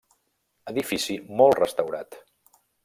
Edifici molt restaurat.